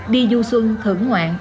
đi du xuân thưởng ngoạn